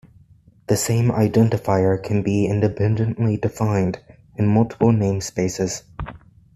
The same identifier can be independently defined in multiple namespaces.